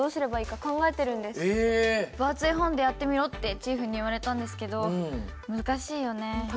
「分厚い本でやってみろ」ってチーフに言われたんですけど難しいよね。